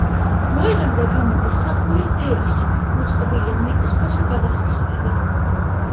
მოედანზე გამოდის სადგური „დელისი“, მოწყობილია მიწისქვეშა გადასასვლელი.